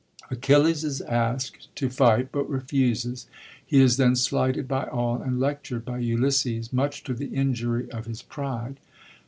Achilles is askt to fight, but refuses ; he is then slighted by all, and lectured by Ulysses, much to the injury of his pride.